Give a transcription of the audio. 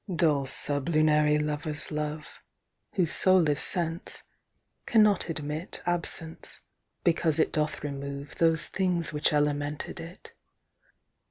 Dull sublunary lovers love (Whose soule is sense) cannot admit Absence, because it doth remove 15 Those things which elemented it.